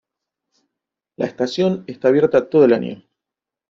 La estación está abierta todo el año.